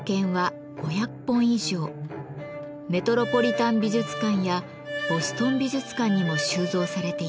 メトロポリタン美術館やボストン美術館にも収蔵されています。